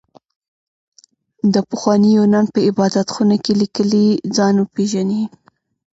د پخواني يونان په عبادت خونه کې ليکلي ځان وپېژنئ.